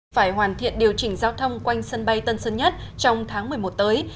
phải hoàn thiện điều chỉnh giao thông quanh sân bay tân sơn nhất trong tháng một mươi một tới